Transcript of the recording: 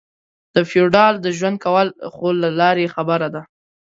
د فېوډال د ژوند کول خو لا لرې خبره ده.